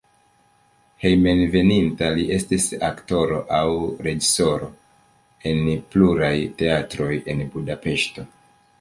Hejmenveninta li estis aktoro aŭ reĝisoro en pluraj teatroj en Budapeŝto.